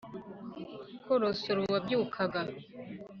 korosora uwabyukaga